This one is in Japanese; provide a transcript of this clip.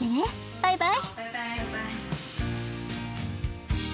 バイバイ。